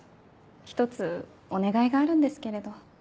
一つお願いがあるんですけれど。